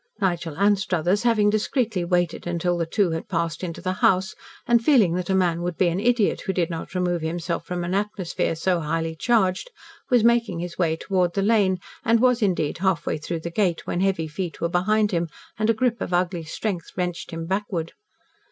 Nigel Anstruthers having discreetly waited until the two had passed into the house, and feeling that a man would be an idiot who did not remove himself from an atmosphere so highly charged, was making his way toward the lane and was, indeed, halfway through the gate when heavy feet were behind him and a grip of ugly strength wrenched him backward.